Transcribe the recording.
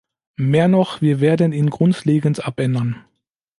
Mehr noch, wir werden ihn grundlegend abändern.